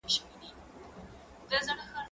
زه پرون لاس مينځلی و،